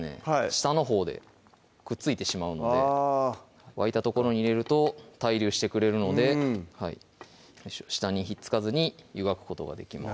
下のほうでくっついてしまうので沸いた所に入れると対流してくれるので下にひっつかずに湯がくことができます